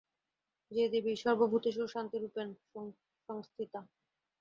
যা দেবী সর্বভূতেষু শান্তিরূপেণ সংস্থিতা।